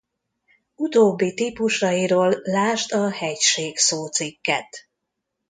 Utóbbi típusairól lásd a hegység szócikket.